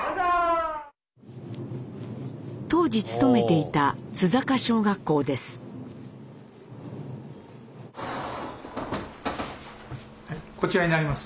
当時勤めていたこちらになります。